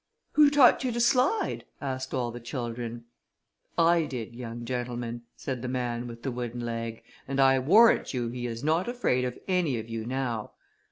"Who taught you to slide?" asked all the children. "I did, young gentlemen," said the man with the wooden leg, "and I warrant you he is not afraid of any of you now."